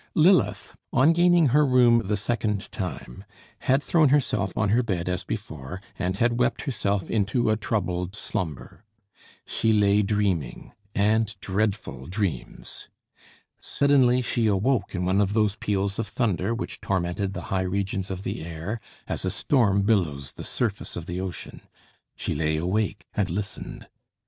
Lilith, on gaining her room the second time, had thrown herself on her bed as before, and had wept herself into a troubled slumber. She lay dreaming and dreadful dreams. Suddenly she awoke in one of those peals of thunder which tormented the high regions of the air, as a storm billows the surface of the ocean. She lay awake and listened.